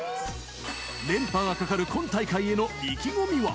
連覇がかかる今大会への意気込みは？